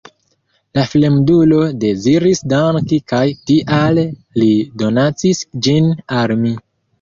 La fremdulo deziris danki kaj tial li donacis ĝin al mi.